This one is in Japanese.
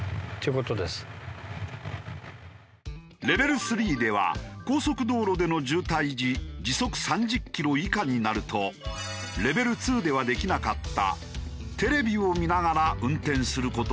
レベル３では高速道路での渋滞時時速３０キロ以下になるとレベル２ではできなかったテレビを見ながら運転する事ができる。